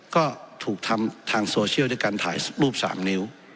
ก็ถูกทำทางโซเชียลด้วยการถ่ายรูป๓นิ้ว